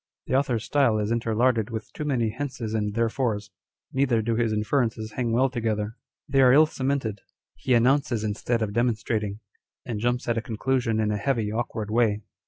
The author's style is interlarded with too many hences and there/ores ; neither do his inferences hang well together. They arc ill cemented. He announces instead of demonstrating ; and jumps at a conclusion in a heavy, awkward way.